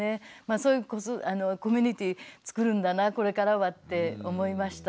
そういうコミュニティーつくるんだなこれからはって思いました。